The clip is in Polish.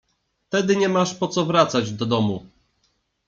— Tedy nie masz po co wracać do domu!